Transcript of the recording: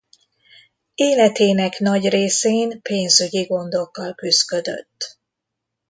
Életének nagy részén pénzügyi gondokkal küszködött.